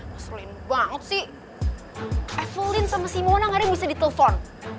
mas selain banget sih evelyn sama simona nggak ada yang bisa ditelepon